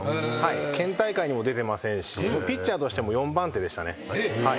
県大会にも出てませんしピッチャーとしても４番手でしたね。